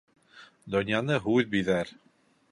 Донъяны һүҙ биҙәр.